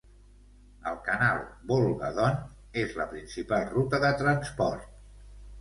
El Canal Volga-Don és la principal ruta de transport.